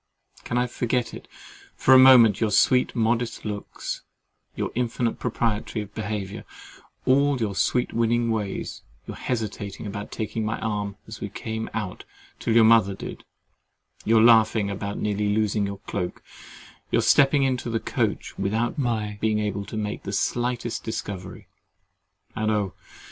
Can I forget it for a moment—your sweet modest looks, your infinite propriety of behaviour, all your sweet winning ways—your hesitating about taking my arm as we came out till your mother did—your laughing about nearly losing your cloak—your stepping into the coach without my being able to make the slightest discovery—and oh!